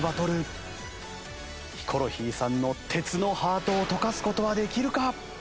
ヒコロヒーさんの鉄のハートをとかす事はできるか！？